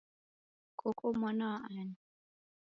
Koka mwana wa ani?